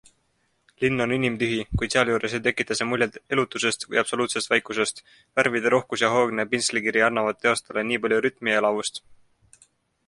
Linn on inimtühi, kuid sealjuures ei tekita see muljet elutusest või absoluutsest vaikusest - värvide rohkus ja hoogne pintslikiri annavad teostele nii palju rütmi ja elavust.